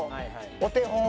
お手本！？